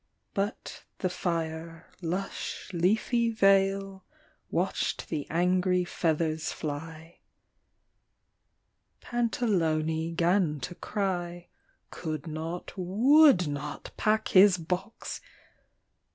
. But the fire (lush leafy vale) Watched the angry feathers fly ... Pantalone 'gan to cry — Could not, would not, pack his box